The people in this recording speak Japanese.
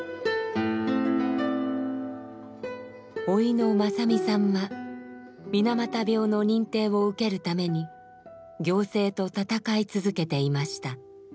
甥の正実さんは水俣病の認定を受けるために行政と闘い続けていました。